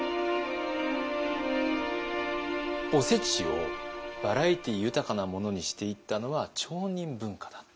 おせちをバラエティー豊かなものにしていったのは町人文化だった。